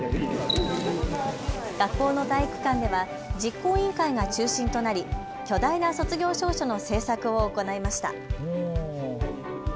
学校の体育館では実行委員会が中心となり巨大な卒業証書の制作を行いました。